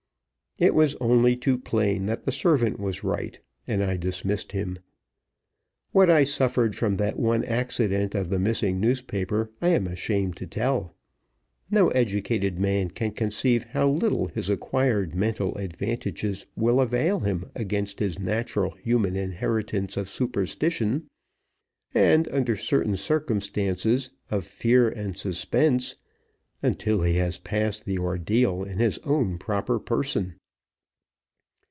It was only too plain that the servant was right, and I dismissed him. What I suffered from that one accident of the missing newspaper I am ashamed to tell. No educated man can conceive how little his acquired mental advantages will avail him against his natural human inheritance of superstition, under certain circumstances of fear and suspense, until he has passed the ordeal in his own proper person.